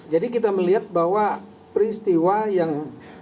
jadi kita melihat bahwa peristiwa yang